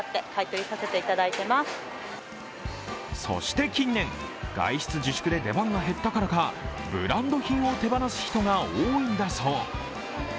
そして近年、外出自粛で出番が減ったからかブランド品を手放す人が多いんだそう。